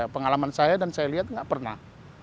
pengalaman saya dan saya lihat nggak pernah